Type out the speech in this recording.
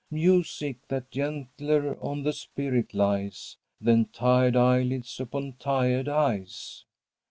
Music that gentlier on the spirit lies _Than tired eyelids upon tired eyes.